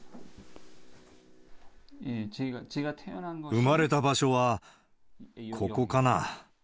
生まれた場所は、ここかな。